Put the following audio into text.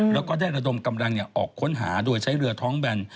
แล้วก็ได้ระดมกำลังออกค้นหาโดยใช้เรือท้องแบน